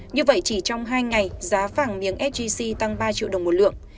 như vậy chỉ trong hai ngày giá vàng miếng sgc tăng ba triệu đồng một lượng